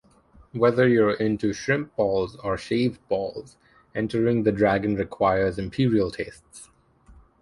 Whether you're into shrimp balls or shaved balls, entering the dragon requires imperial tastes.